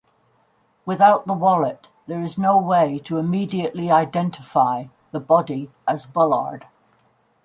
Without the wallet, there is no way to immediately identify the body as Bullard.